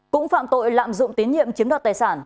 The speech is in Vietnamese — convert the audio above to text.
cũng phạm tội lạm dụng tín nhiệm chiếm đoạt tài sản